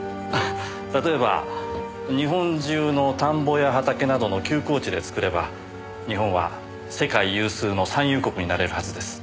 例えば日本中の田んぼや畑などの休耕地で作れば日本は世界有数の産油国になれるはずです。